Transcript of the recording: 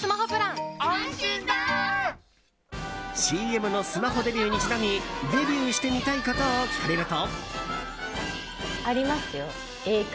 ＣＭのスマホデビューにちなみデビューしてみたいことを聞かれると。